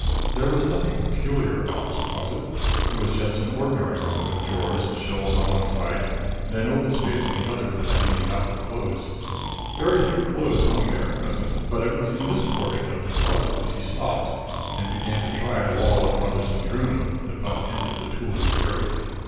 There was nothing peculiar about this closet. It was just an ordinary one with drawers and shelves on one side, and an open space on the other for the hanging up of clothes. Very few clothes hung there at present; but it was in this portion of the closet that he stopped and began to try the wall of Brotherson's room, with the butt end of the tool he carried.